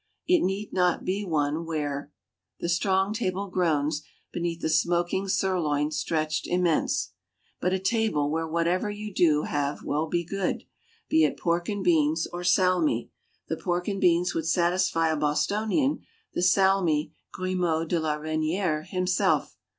It need not be one where "The strong table groans Beneath the smoking sirloin stretched immense;" but a table where whatever you do have will be good, be it pork and beans, or salmi; the pork and beans would satisfy a Bostonian, the salmi Grimod de la Reynière himself.